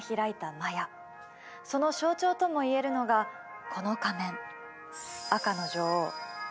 その象徴ともいえるのがこの仮面。